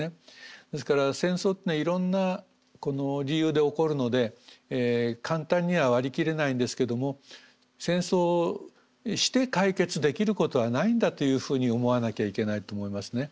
ですから戦争っていうのはいろんな理由で起こるので簡単には割り切れないんですけども戦争をして解決できることはないんだというふうに思わなきゃいけないと思いますね。